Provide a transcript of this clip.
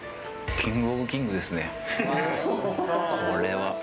これは。